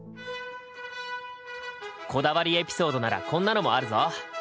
こだわりエピソードならこんなのもあるぞ。